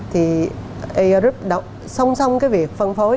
thì air group xong xong cái việc phân phối